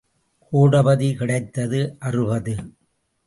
கோடபதி கிடைத்தது அறுபது.